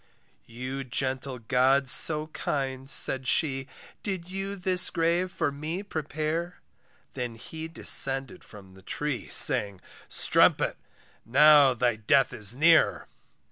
You gentle gods so kind, said she, Did you this grave for me prepare? He then descended from the tree, Saying, strumpet now thy death is near.